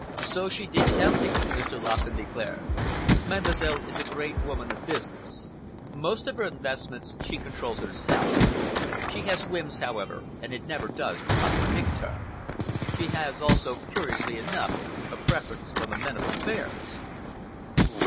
"So she did tell me," Mr. Lassen declared. "Mademoiselle is a great woman of business. Most of her investments she controls herself. She has whims, however, and it never does to contradict her. She has also, curiously enough, a preference for the men of affairs."